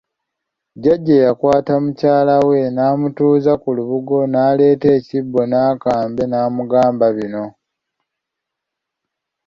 Jjajja yakwata mukyala we n’amutuuza ku lubugo n’aleeta ekibbo n’akambe n’amugamba bino.